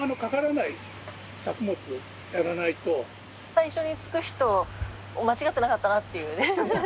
最初につく人間違ってなかったなっていうね。